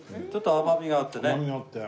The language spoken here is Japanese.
甘みがあって。